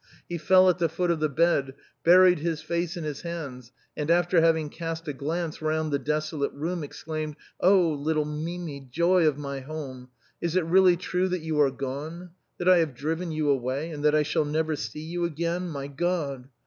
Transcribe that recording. He fell at the foot of the bed, buried his face in his hands, and, af er having cast a glance round the desolate room, exclaimed . 17G THE BOHEMIANS OF THE LATIN QUARTER. " Oh ! little Mimi, joy of ray home, is it really true that you are gone, that I have driven you away, and that I shall never see you again, my God?